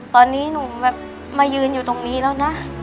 ตอนนี้หนูแบบมายืนอยู่ตรงนี้แล้วนะ